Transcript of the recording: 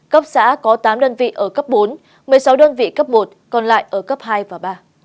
cấp xã có tám đơn vị ở cấp bốn một mươi sáu đơn vị cấp một còn lại ở cấp hai và ba